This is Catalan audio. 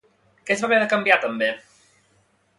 Què es va haver de canviar, també?